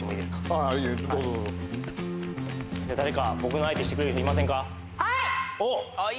ああどうぞどうぞ誰か僕の相手してくれる人いませんか？